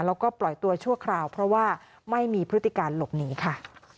แล้วก็ปล่อยตัวชั่วคราวเพราะว่าไม่มีพฤติการหลบหนีค่ะ